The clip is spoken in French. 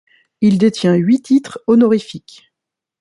Il détient huit titres honorifiques.